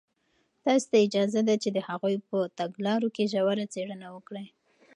تاسو ته اجازه ده چې د هغوی په تګلارو کې ژوره څېړنه وکړئ.